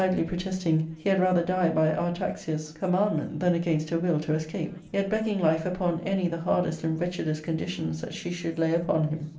238 ^ ARCADIA,— Book IL y protesting he had rather die by Artaxia's commandment than against her will to escape ; yet begging life upon any the hardest and wretchedest conditions that she should lay upon him.